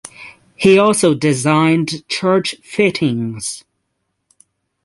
He also designed church fittings.